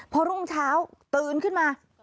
พอรุ่งเช้าตื่นขึ้นมา